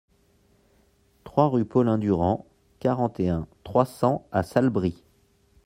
trois rue Paulin Durand, quarante et un, trois cents à Salbris